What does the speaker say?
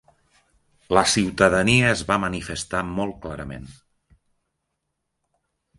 La ciutadania es va manifestar molt clarament.